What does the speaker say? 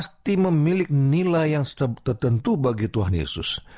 setiap orang memiliki nilai yang tertentu bagi tuhan yesus